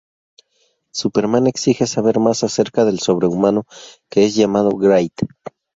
Superman exige saber más acerca del sobrehumano, que es llamado Wraith.